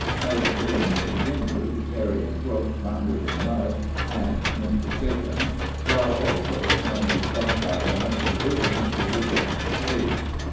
As the rains continued, Terry and Crook floun dered in mud and indecision while also trying to stockpile enough provisions to resume the chase.